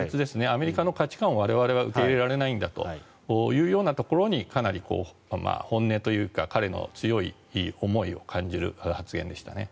アメリカの価値観を我々は受け入れられないんだというところにかなり本音というか彼の強い思いを感じる発言でしたね。